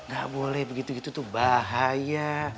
gak boleh begitu gitu tuh bahaya